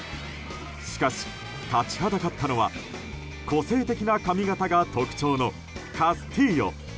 しかし、立ちはだかったのは個性的な髪形が特徴のカスティーヨ。